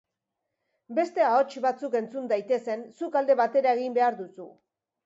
Beste ahots batzuk entzun daitezen, zuk alde batera egin behar duzu.